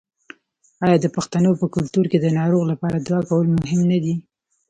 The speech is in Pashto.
آیا د پښتنو په کلتور کې د ناروغ لپاره دعا کول مهم نه دي؟